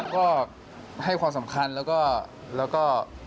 ก็ให้ความสำคัญแล้วก็